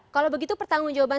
kalau begitu pertanggung jawaban